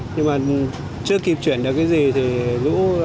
nhưng mà chưa kịp chuyển được cái gì thì lũ ảo về rồi